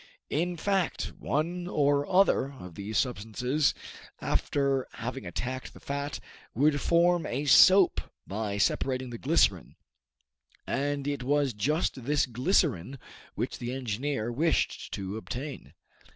In fact, one or other of these substances, after having attacked the fat, would form a soap by separating the glycerine, and it was just this glycerine which the engineer wished to obtain.